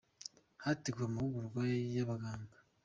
hateguwe amahugurwa y’abaganga.